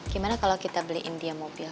gimana kalau kita beliin dia mobil